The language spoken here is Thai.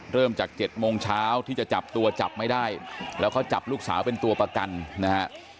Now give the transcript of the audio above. เริ่มจาก๗โมงเช้าที่จะจับตัวจับไม่ได้แล้วเขาจับลูกสาวเป็นตัวประกันนะฮะ